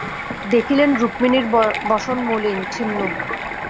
দেখিলেন রুক্মিণীর বসন মলিন, ছিন্ন।